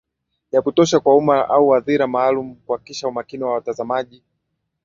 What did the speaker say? Ya kutosha kwa umma au hadhira maalumu kuhakikisha umakini wa watazamaji